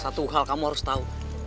satu hal kamu harus tahu